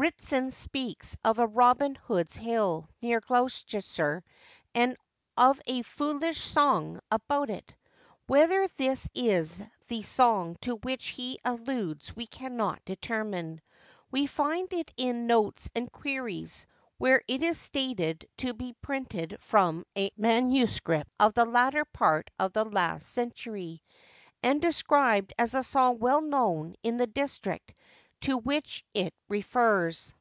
[RITSON speaks of a Robin Hood's Hill near Gloucester, and of a 'foolish song' about it. Whether this is the song to which he alludes we cannot determine. We find it in Notes and Queries, where it is stated to be printed from a MS. of the latter part of the last century, and described as a song well known in the district to which it refers.